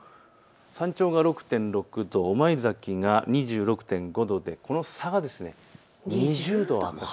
山頂が６．６度、御前崎が２６．５度でこの差が２０度あるんです。